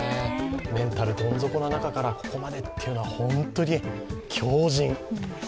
メンタル、どん底の中からここまでというのは、本当に強じん。